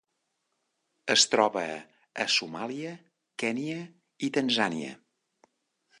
Es troba a Somàlia, Kenya i Tanzània.